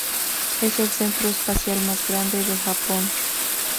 Es el centro espacial más grande de Japón.